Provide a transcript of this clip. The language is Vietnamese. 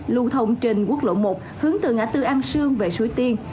lưu thông trên quốc lộ một hướng từ ngã tư an sương về suối tiên